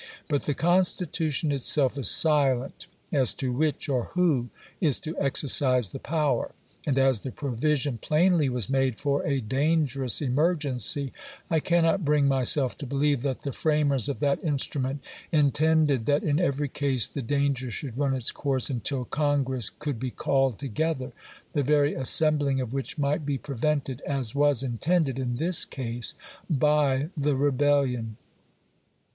But the Con stitution itself is silent as to which, or who, is to exercise the power ; and as the provision plainly was made for a dangerous emergency, I cannot bring myself to believe that the framers of that instrument intended that in special' every case the danger should run its course until Con juiy^|''^^6i gress could be called together, the very assembling of ^utop aph which might be prevented, as was intended in this case mil draft by the rebellion.